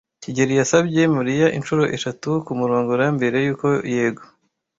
kigeli yasabye Mariya inshuro eshatu kumurongora mbere yuko yego.